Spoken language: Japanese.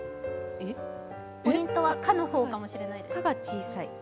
ポイントは「化」の方かもしれないですね。